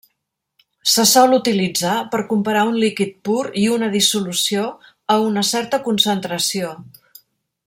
Se sol utilitzar per comparar un líquid pur i una dissolució a una certa concentració.